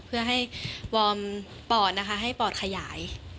เพื่อให้วอร์มปอดนะคะให้ปอดขยาย